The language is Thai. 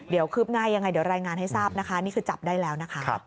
เดี๋ยวคืบหน้ายังไงเดี๋ยวรายงานให้ทราบนะคะนี่คือจับได้แล้วนะคะ